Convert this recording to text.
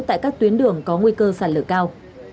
tại các tuyến đường có nguy cơ sạt lở cao